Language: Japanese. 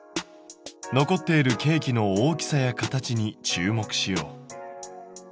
残っているケーキの大きさや形に注目しよう。